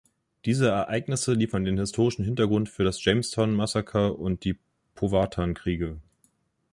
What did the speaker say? Diese Ereignisse liefern den historischen Hintergrund für das Jamestown-Massaker und die Powhatan-Kriege.